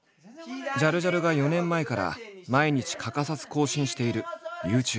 ジャルジャルが４年前から毎日欠かさず更新しているＹｏｕＴｕｂｅ。